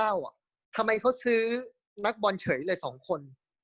๑๙๙๙อ่ะทำไมเค้าซื้อนักบอลเฉยเลยสองคน